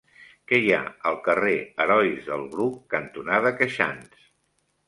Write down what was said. Què hi ha al carrer Herois del Bruc cantonada Queixans?